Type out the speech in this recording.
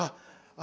あ！